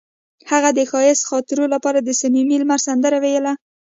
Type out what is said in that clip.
هغې د ښایسته خاطرو لپاره د صمیمي لمر سندره ویله.